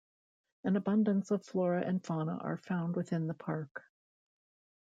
An abundance of flora and fauna are found within the park.